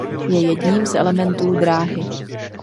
Je jedním z elementů dráhy.